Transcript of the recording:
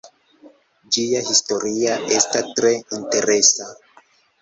Ĝia historia esta tre interesa.